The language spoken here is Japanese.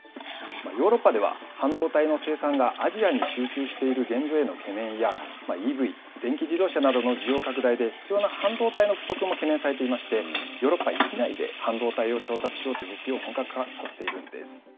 ヨーロッパでは半導体の生産が、アジアに集中している現状への懸念や、ＥＶ・電気自動車などの需要拡大で、必要な半導体の不足も懸念されておりまして、ヨーロッパ域内で半導体を調達しようという動きを本格化させているんです。